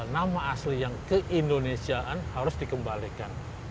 nama asli yang ke indonesiaan harus dikembalikan